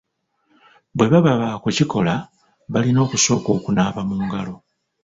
Bwe baba baakukikola, balina okusooka okunaaba mu ngalo.